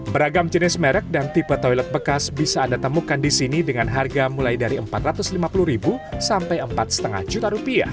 beragam jenis merek dan tipe toilet bekas bisa anda temukan di sini dengan harga mulai dari rp empat ratus lima puluh sampai rp empat lima juta